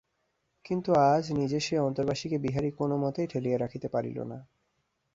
কিন্তু আজ নিজের সেই অন্তরবাসীকে বিহারী কোনোমতেই ঠেলিয়া রাখিতে পারিল না।